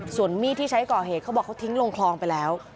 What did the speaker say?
ส่วนมีดที่ใช้ก่อเหตุเขาบอกเขาทิ้งลงคลองไปแล้ว